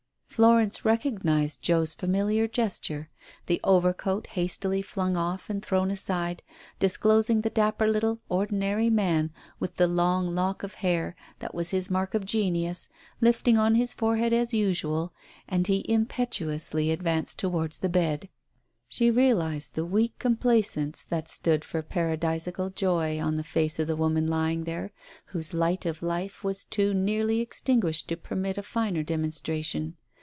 Florence recognized Joe's familiar gesture — the overcoat hastily flung off and thrown aside, disclosing the dapper little ordinary man, with the long lock of hair, that was his mark of genius, lifting on his forehead as usual, as he impetuously advanced towards the bed. She realized the weak complaisance that stood for paradis aical joy on the face of the woman lying there, whose light of life was too nearly extinguished to permit of a finer demonstration.